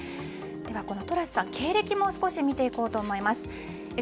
このトラスさん、経歴も少し見ていこうと思います。